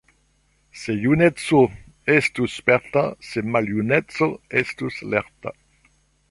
Se juneco estus sperta, se maljuneco estus lerta!